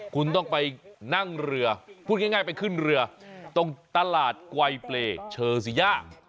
คุณต้องไปนั่งเรือพูดง่ายไปขึ้นเรือตรงตลาดไกลเปลเชอร์ซีย่า